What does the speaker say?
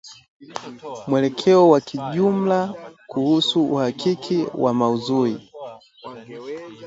mwelekeo wa kijumla kuhusu uhakiki wa maudhui